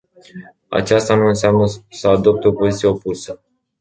Aceasta nu înseamnă să adopte o poziție opusă.